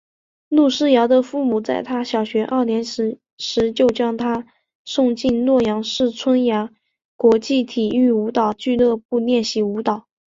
陈世瑶的父母在她小学二年级时就将她送进洛阳市春芽国际体育舞蹈俱乐部练习舞蹈。